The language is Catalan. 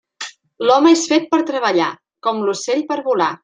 L'home és fet per treballar, com l'ocell per volar.